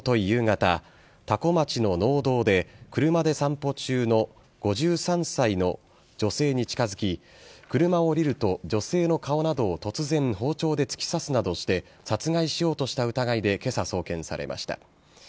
夕方、多古町の農道で車で散歩中の５３歳の女性に近づき、車を降りると女性の顔などを突然包丁で突き刺すなどして、殺害しようとした疑いでけさ送検されました。